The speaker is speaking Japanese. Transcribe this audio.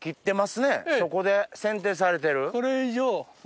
そこで剪定されてる。